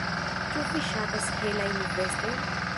Ĉu vi ŝatas helajn vestojn?